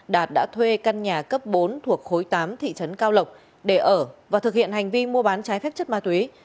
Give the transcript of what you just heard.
đạt đã thuê căn nhà cấp bốn thuộc khối tám thị trấn cao lộc để ở và thực hiện hành vi mua bán trái phép chất ma túy